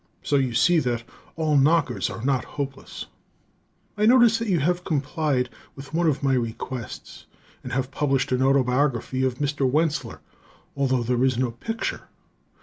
So you see that all knockers are not hopeless! I notice that you have complied with one of my requests, and have published an autobiography of Mr. Wentzler, although there is no picture.